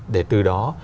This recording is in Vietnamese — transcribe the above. để từ đó